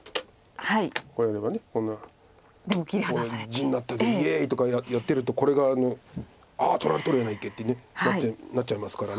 「地になったぜイエーイ！」とかやってるとこれが「ああ取られとるやないけ」ってなっちゃいますから。